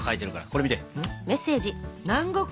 これ見て。